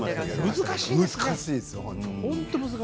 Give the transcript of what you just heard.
難しいですよね。